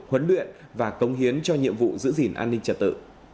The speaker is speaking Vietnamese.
huấn luyện và công hiến cho nhiệm vụ giữ gìn an ninh trật tự